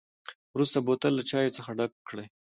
وروسته بوتل له چای څخه ډک کړئ.